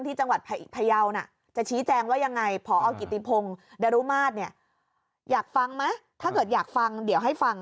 ทำให้กรกกะตอบเสียหาย